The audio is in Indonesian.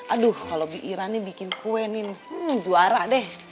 aduh kalau biira nih bikin kue nih juara deh